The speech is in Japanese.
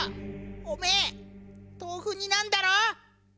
おめえ豆腐になんだろ！？